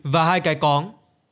và hai cái cóng